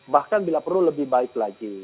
bahkan bila perlu lebih baik lagi